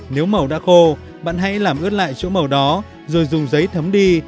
nếu màu đã khô bạn hãy làm ướt lại chỗ màu đó rồi dùng giấy thấm đi